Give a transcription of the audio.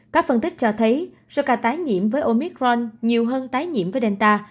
các phân tích cho thấy số ca tái nhiễm với omicron nhiều hơn tái nhiễm với delta